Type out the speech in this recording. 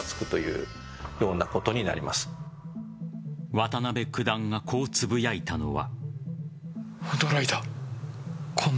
渡辺九段がこうつぶやいたのは。